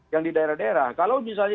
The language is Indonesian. yang di daerah daerah kalau misalnya